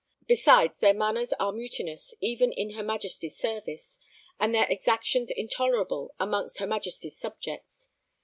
Besides their manners are mutinous even in her Majesty's service, and their exactions intolerable amongst her Majesty's subjects.